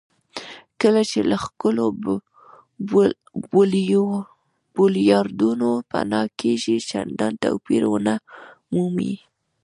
کله چې له ښکلو بولیوارډونو پناه کېږئ چندان توپیر ونه مومئ.